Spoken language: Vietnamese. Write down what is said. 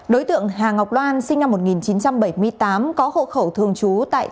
đối tượng hà ngọc loan sinh năm một nghìn chín trăm bảy mươi tám